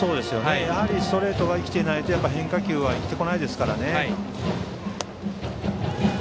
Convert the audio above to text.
やはりストレートが生きていないと変化球が生きてこないですからね。